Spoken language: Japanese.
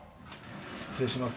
失礼します。